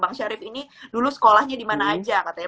bang syarif ini dulu sekolahnya di mana aja katanya